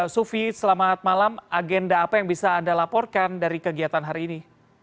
sufi selamat malam agenda apa yang bisa anda laporkan dari kegiatan hari ini